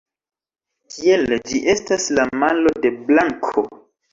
Tiele ĝi estas la malo de blanko.